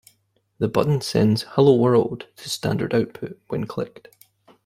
The button sends "Hello world" to standard output when clicked.